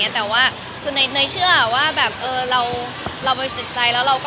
แต่ว่าในเชื่อว่าเราเบื่อสินใจแล้วเราก็รักกันจริงมันก็น่าจะโอเคค่ะ